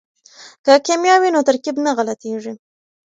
که کیمیا وي نو ترکیب نه غلطیږي.